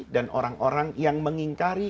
dan orang orang yang mengingkari